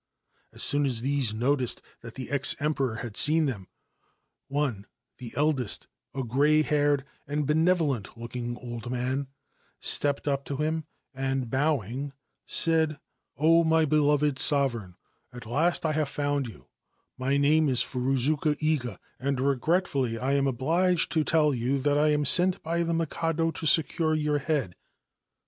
As soon as these noticed that the ex Emperor had se them, one the eldest, a grey haired and benevoler looking old man, stepped up to him, and, bowing, said * Oh, my beloved Sovereign, at last I have found yo1 My name is Furuzuka Iga, and regretfully I am oblig to tell you that I am sent by the Mikado to secure yo head.